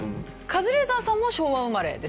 カズレーザーさんも昭和生まれですね。